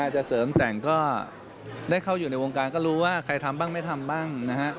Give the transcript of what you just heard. จะเสริมแต่งก็ได้เข้าอยู่ในวงการก็รู้ว่าใครทำบ้างไม่ทำบ้างนะฮะ